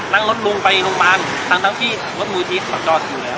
นั่งรถลงไปลงบานทางทั้งที่รถมูนที่ขอครอบร้อยอยู่แล้ว